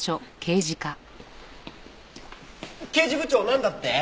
刑事部長なんだって？